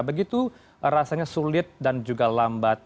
begitu rasanya sulit dan juga lambat